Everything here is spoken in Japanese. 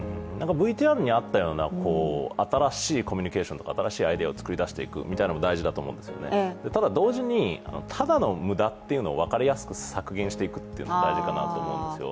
ＶＴＲ似合ったような新しいコミュニケーションとか新しいアイデアを作り出していくっていうのも大事だと思うんですよね、ただ同時に、ただの無駄っていうのを分かりやすく削減していくって大事だと思うんですよ。